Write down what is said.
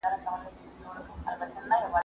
زه هره ورځ سبزیجات وچوم!.